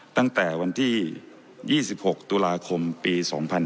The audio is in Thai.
ตั้งแต่วันที่๒๖ตุลาคมปี๒๕๕๙